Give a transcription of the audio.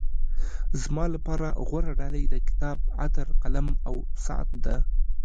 زما لپاره غوره ډالۍ د کتاب، عطر، قلم او ساعت ده.